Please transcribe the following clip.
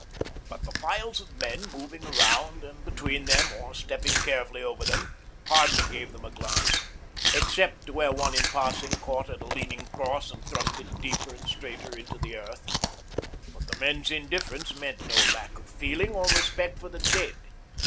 But the files of men moving round and between them, or stepping carefully over them, hardly gave them a glance, except where one in passing caught at a leaning cross and thrust it deeper and straighter into the earth. But the men's indifference meant no lack of feeling or respect for the dead.